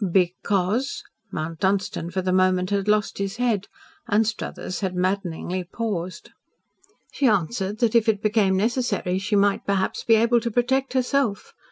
"Because?" Mount Dunstan for the moment had lost his head. Anstruthers had maddeningly paused. "She answered that if it became necessary she might perhaps be able to protect herself.